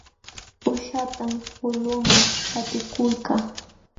Uushatam ulquman qatikuykaa.